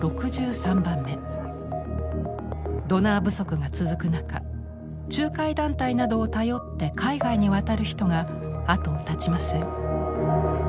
ドナー不足が続く中仲介団体などを頼って海外に渡る人が後を絶ちません。